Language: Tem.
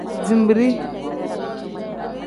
Zinbiri.